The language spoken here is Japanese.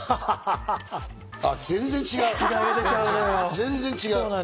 全然違う！